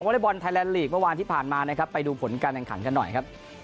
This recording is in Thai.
เล็กบอลไทยแลนดลีกเมื่อวานที่ผ่านมานะครับไปดูผลการแข่งขันกันหน่อยครับ